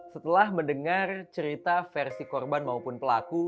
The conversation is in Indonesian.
setelah mendengar cerita versi korban maupun pelaku